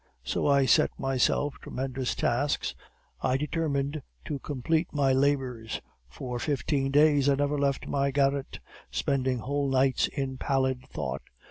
So I set myself tremendous tasks; I determined to complete my labors. For fifteen days I never left my garret, spending whole nights in pallid thought.